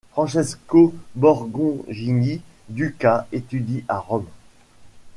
Francesco Borgongini-Duca étudie à Rome.